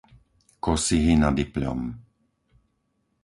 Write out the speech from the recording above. Kosihy nad Ipľom